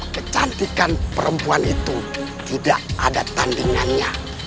kecantikan perempuan itu tidak ada tandingannya